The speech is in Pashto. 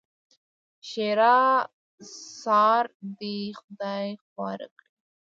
ښېرا؛ سار دې خدای خواره کړي!